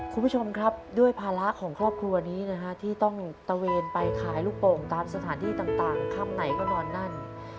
คุณผู้ชมครับด้วยภาระของครอบครัวนี้นะฮะที่ต้องตะเวนไปขายลูกโป่งตามสถานที่ต่างค่ำไหนก็นอนนั่น